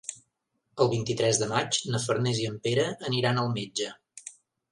El vint-i-tres de maig na Farners i en Pere aniran al metge.